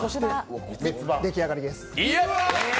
出来上がりです。